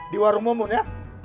di warung momun ya